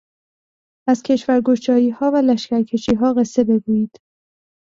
از کشورگشاییها و لشکرکشیها قصه بگویید